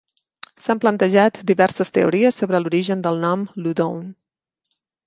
S'han plantejat diverses teories sobre l'origen del nom "Loudoun".